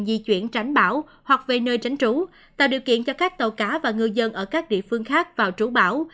di chuyển tránh bão hoặc về nơi tránh trú tạo điều kiện cho các tàu cá và ngư dân ở các địa phương khác vào trú bão